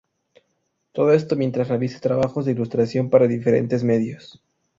Todo esto mientras realiza trabajos de ilustración para diferentes medios.